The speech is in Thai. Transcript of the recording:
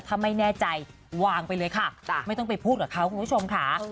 ถ้าไม่แน่ใจวางไปเลยค่ะไม่ต้องไปพูดกับเขาคุณผู้ชมค่ะ